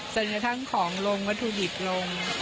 จนกระทั่งของลงวัตถุดิบลง